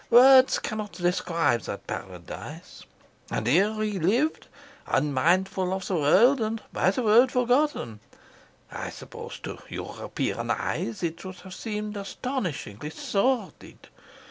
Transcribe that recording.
Words cannot describe that paradise. And here he lived, unmindful of the world and by the world forgotten. I suppose to European eyes it would have seemed astonishingly sordid.